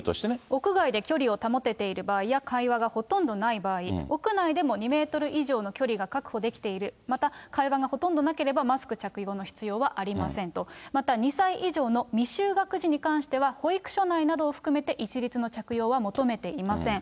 屋外で距離を保てている場合や、会話がほとんどない場合、屋内でも２メートル以上の距離が確保できている、また、会話がほとんどなければ、マスク着用の必要はありませんと、また２歳以上の未就学児に関しては、保育所内などを含めて、一律の着用は求めていません。